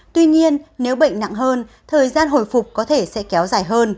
tuy nhiên nếu bệnh nặng hơn thời gian hồi phục có thể sẽ kéo dài hơn